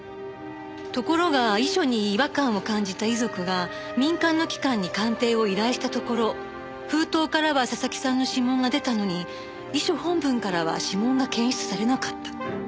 ところが遺書に違和感を感じた遺族が民間の機関に鑑定を依頼したところ封筒からは佐々木さんの指紋が出たのに遺書本文からは指紋が検出されなかった。